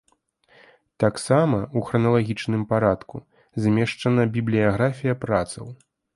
Таксама, у храналагічным парадку, змешчана бібліяграфія працаў.